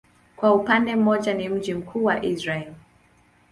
Kwa upande mmoja ni mji mkuu wa Israel.